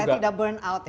supaya tidak burn out